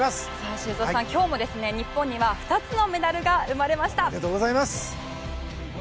修造さん、今日も日本には２つのメダルが生まれました。